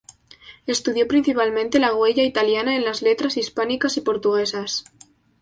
Estudió principalmente la huella italiana en las letras hispánicas y portuguesas.